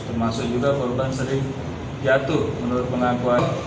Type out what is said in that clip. termasuk juga korban sering jatuh menurut pengakuan